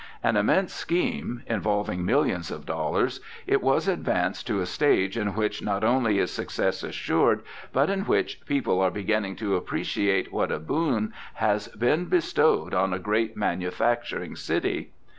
An immense scheme, involving millions of dollars, it has advanced to a stage in which not only is success assured, but in which people are beginning to appreciate what a boon has been bestowed on a great manufacturing city.